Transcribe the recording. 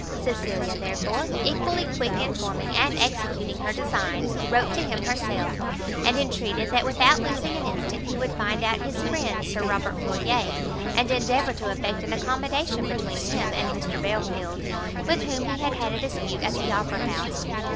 Cecilia therefore, equally quick in forming and executing her designs, wrote to him herself, and entreated that without losing an instant he would find out his friend Sir Robert Floyer, and endeavour to effect an accommodation between him and Mr Belfield, with whom he had had a dispute at the Opera house.